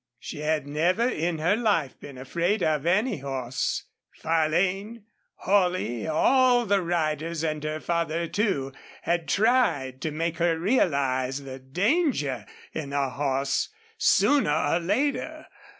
She had never in her life been afraid of any horse. Farlane, Holley, all the riders, and her father, too, had tried to make her realize the danger in a horse, sooner or later.